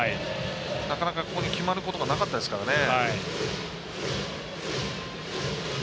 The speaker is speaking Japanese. なかなか投球が決まることがなかったですからね。